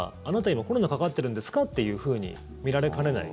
今、コロナかかってるんですかというふうに見られかねない。